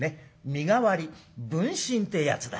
身代わり分身ってやつだ。